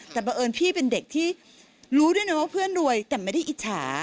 แต่บังเอิญพี่เป็นเด็กที่รู้ด้วยนะว่าเพื่อนรวยแต่ไม่ได้อิจฉา